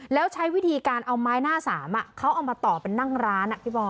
แล้วใช้วิธีการเอาไม้หน้าสามเขาเอามาต่อเป็นนั่งร้านพี่บอล